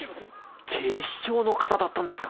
警視庁の方だったんですか？